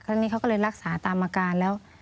ครั้งนี้เขาก็เลยรักษาตามอาการแล้ว